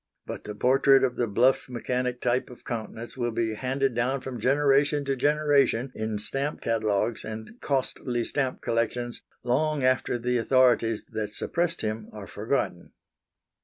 But the portrait of the bluff mechanic type of countenance will be handed down from generation to generation in stamp catalogues and costly stamp collections long after the authorities that suppressed him are forgotten.